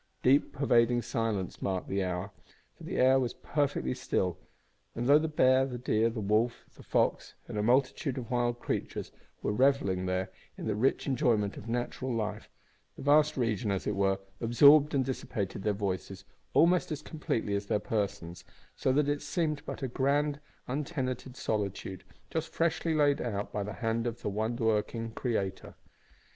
Deep pervading silence marked the hour, for the air was perfectly still, and though the bear, the deer, the wolf, the fox, and a multitude of wild creatures were revelling there in the rich enjoyment of natural life, the vast region, as it were, absorbed and dissipated their voices almost as completely as their persons, so that it seemed but a grand untenanted solitude, just freshly laid out by the hand of the wonder working Creator.